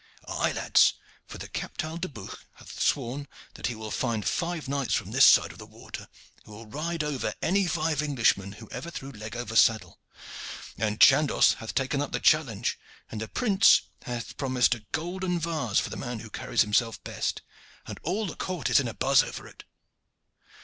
"Aye, lads. For the Captal du Buch hath sworn that he will find five knights from this side of the water who will ride over any five Englishmen who ever threw leg over saddle; and Chandos hath taken up the challenge, and the prince hath promised a golden vase for the man who carries himself best, and all the court is in a buzz over it."